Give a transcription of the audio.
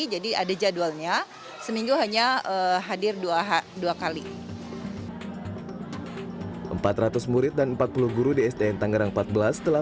jadi ada jadwalnya seminggu hanya hadir dua kali empat ratus murid dan empat puluh guru di sdn tangerang empat belas telah